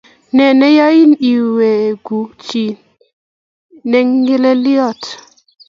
Ne neyani iweku chito ingelelyot?